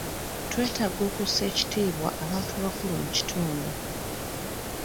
Twetaaga okussa ekitiibwa abantu abakulu mu kitundu.